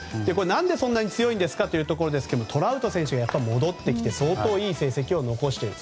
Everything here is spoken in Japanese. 何でそんなに強いんですかというところですがトラウト選手がやっぱり戻ってきて相当いい成績を残している。